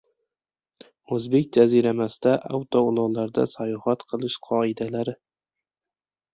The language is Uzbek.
"O‘zbek" jaziramasida avtoulovlarda sayohat qilish qoidalari